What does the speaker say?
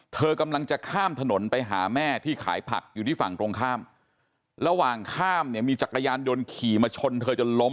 เธอกำลังจะข้ามถนนไปหาแม่ที่ขายผักอยู่ที่ฝั่งตรงข้ามระหว่างข้ามเนี่ยมีจักรยานยนต์ขี่มาชนเธอจนล้ม